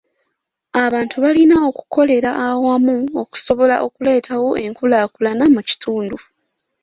Abantu balina okukolera awamu okusobola okuleetawo enkulaakulana mu kitundu.